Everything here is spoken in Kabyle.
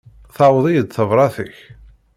Tewweḍ-iyi-d tebṛat-ik.